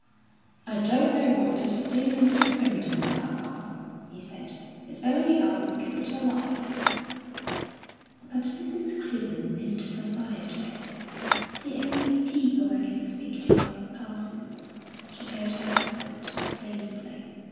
"I don't know what they'd do in Little Primpton without us," he said. "It's only us who keep it alive." But Mrs. Clibborn missed society. "The only people I can speak to are the Parsons," she told her husband, plaintively.